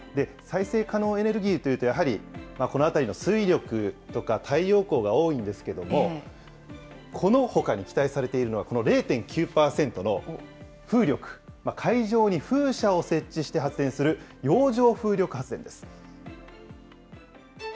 再生可能エネルギーというと、やはり、このあたりの水力とか太陽光が多いんですけども、このほかに期待されているのが、この０．９％の風力、海上に風車を設置して発電する洋上風力発電です。